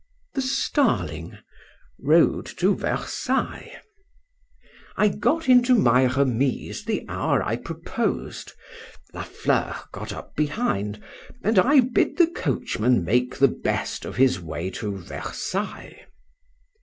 THE STARLING. ROAD TO VERSAILLES. I GOT into my remise the hour I proposed: La Fleur got up behind, and I bid the coachman make the best of his way to Versailles.